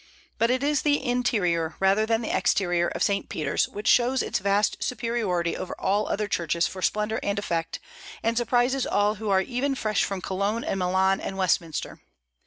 But it is the interior, rather than the exterior of St. Peter's, which shows its vast superiority over all other churches for splendor and effect, and surprises all who are even fresh from Cologne and Milan and Westminster.